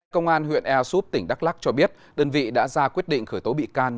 công an huyện ersup tỉnh đắk lắc cho biết đơn vị đã ra quyết định khởi tố bị can